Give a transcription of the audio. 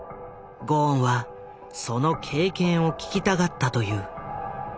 ゴーンはその経験を聞きたがったという。